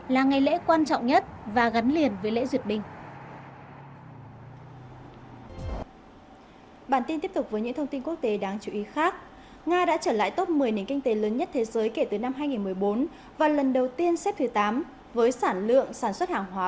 là ngày lễ quan trọng nhất và gắn liền với lễ duyệt binh